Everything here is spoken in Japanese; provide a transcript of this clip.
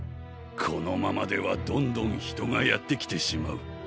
このままではどんどんひとがやってきてしまう。